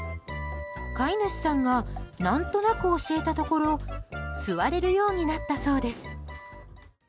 飼い主さんが何となく教えたところ座れるようになったそうです。